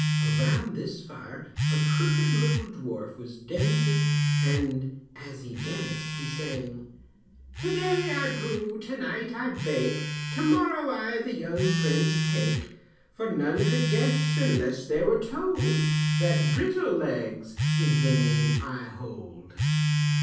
Around this fire a crooked little dwarf was dancing and as he danced he sang: "To day I brew, to night I bake, To morrow I the young prince take, For none could guess, unless they were told That Brittle Legs is the name I hold."